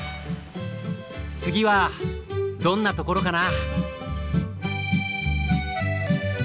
次はどんなところかな。